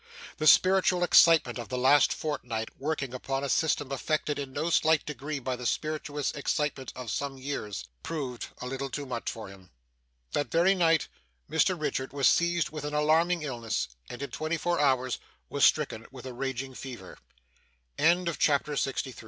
The spiritual excitement of the last fortnight, working upon a system affected in no slight degree by the spirituous excitement of some years, proved a little too much for him. That very night, Mr Richard was seized with an alarming illness, and in twenty four hours was stricken with a raging fever. CHAPTER 64 Tossing to and fro upon his hot, unea